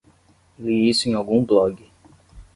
Li isso em algum blog